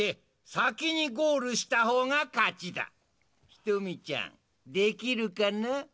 ひとみちゃんできるかな？